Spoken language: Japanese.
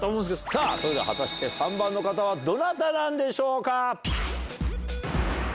さぁ果たして３番の方はどなたなんでしょうか？